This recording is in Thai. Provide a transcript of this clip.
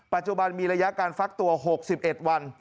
ปัจจุบันมีระยะการฟักตัว๖๑วัน